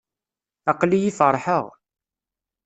Aql-iyi feṛḥeɣ.